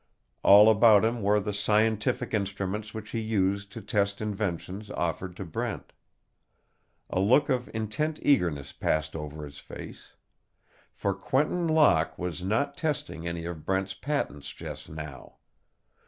All about him were the scientific instruments which he used to test inventions offered to Brent. A look of intent eagerness passed over his face. For Quentin Locke was not testing any of Brent's patents just now.